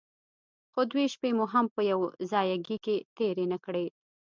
خو دوې شپې مو هم په يوه ځايگي کښې تېرې نه کړې.